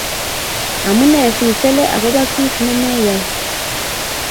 Amunee sichole akoba kit ne meyai?